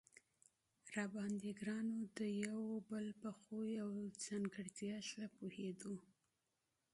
را باندې ګران و، د یو او بل په خوی او ځانګړتیا ښه پوهېدو.